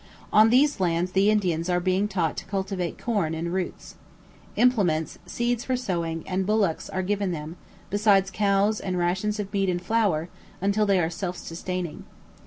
On these lands the Indians are being taught to cultivate corn and roots. Implements, seeds for sowing, and bullocks are given them, besides cows and rations of meat and flour, until they are self sustaining.